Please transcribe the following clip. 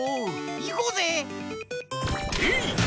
いこうぜ！てい！